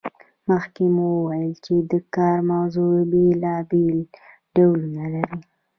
مخکې مو وویل چې د کار موضوع بیلابیل ډولونه لري.